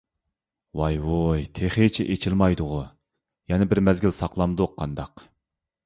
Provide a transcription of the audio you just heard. ۋاي-ۋۇي تېخىچە ئېچىلمايدىغۇ؟ يەنە بىر مەزگىل ساقلامدۇق قانداق؟